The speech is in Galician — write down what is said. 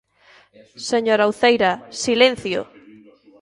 Señora Uceira, ¡silencio!